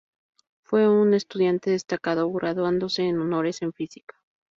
Fue un estudiante destacado, graduándose con honores en física.